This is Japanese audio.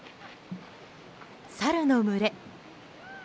サルの群れ。